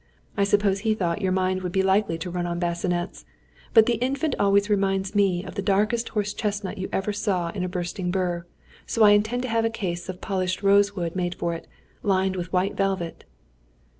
I suppose he thought your mind would be likely to run on bassinets. But the Infant always reminds me of the darkest horse chestnut you ever saw in a bursting bur; so I intend to have a case of polished rosewood made for it, lined with white velvet."